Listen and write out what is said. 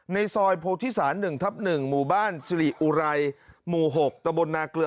ในซอยโพธิศาล๑ทับ๑หมู่บ้านสิริอุไรหมู่๖ตะบนนาเกลือ